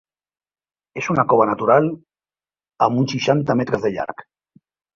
És una cova natural amb uns seixanta metres de llarg.